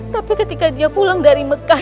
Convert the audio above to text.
tapi ketika dia pulang dari mekah